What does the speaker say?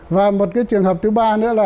và một cái trường hợp thứ ba nữa là